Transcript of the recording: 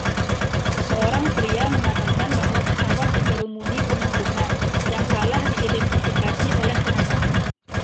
Seorang pria mengatakan bahwa pesawat dikerumuni kunang-kunang yang salah diidentifikasi oleh pengamat.